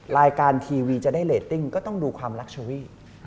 รายการทีวีจะได้เรตติ้งก็ต้องดูความรักเชอรี่